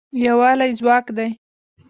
یووالی ځواک دی